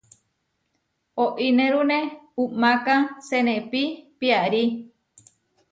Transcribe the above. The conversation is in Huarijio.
Oínerune uʼmáka senepí piarí.